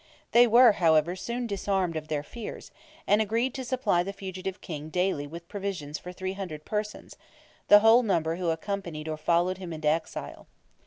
They were, however, soon disarmed of their fears, and agreed to supply the fugitive King daily with provisions for 300 persons, the whole number who accompanied or followed him into exile.